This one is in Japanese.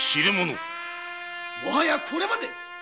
もはやこれまで。